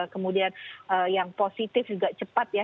kemudian yang positif juga cepat ya